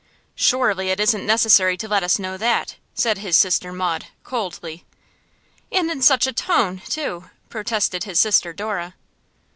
'Surely it isn't necessary to let us know that,' said his sister Maud, coldly. 'And in such a tone, too!' protested his sister Dora.